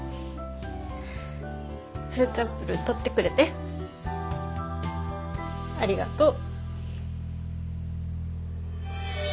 フーチャンプルー取ってくれてありがとう。